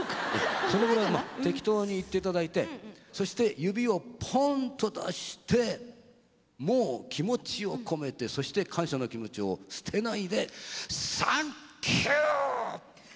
そのぐらい適当にいっていただいてそして指をポンと出してもう気持ちを込めてそして感謝の気持ちを捨てないで「サンキュー！」。